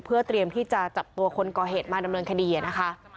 เพื่อเตรียมที่จะจับตัวคนก่อเหตุมาดำเนินคดีนะคะ